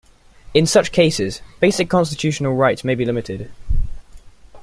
In such cases, basic constitutional rights may be limited.